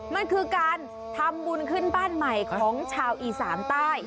มันคือการทำบุญขึ้นบ้านใหม่ของชาวอีสานใต้